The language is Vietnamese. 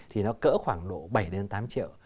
thì nó cỡ khoảng độ bảy tám triệu